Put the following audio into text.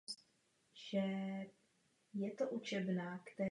Mám obavy o svou zemi, Itálii.